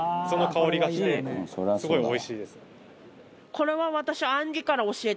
これは私は。